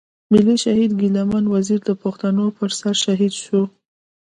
ملي شهيد ګيله من وزير د پښتنو پر سر شهيد شو.